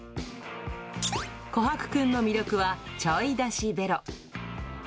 コハクくんの魅力は、ちょいだしベロ。